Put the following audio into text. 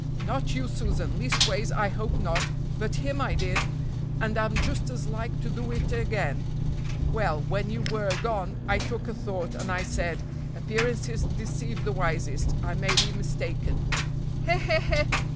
"Not you, Susan, leastways I hope not, but him I did, and am just as like to do it again; well, when you were gone, I took a thought, and I said, appearances deceive the wisest; I may be mistaken " "He! he!"